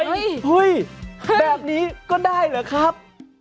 เฮ้ยแบบนี้ก็ได้เหรอครับ